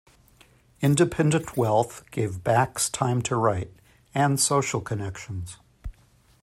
Independent wealth gave Bax time to write, and social connections.